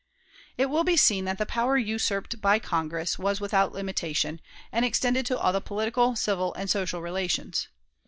It will be seen that the power usurped by Congress was without a limitation, and extended to all the political, civil, and social relations.